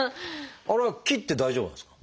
あれは切って大丈夫なんですか？